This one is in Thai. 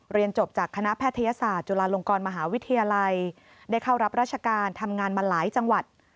เรียนจบจากคณะแพทยศาสตร์จุฬาลงกรมหาวิทยาลัยได้เข้ารับราชการทำงานมาหลายจังหวัด